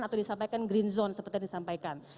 atau disampaikan green zone seperti yang disampaikan